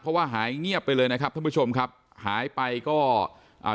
เพราะว่าหายเงียบไปเลยนะครับท่านผู้ชมครับหายไปก็อ่า